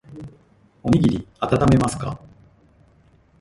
おにぎりあたためますか。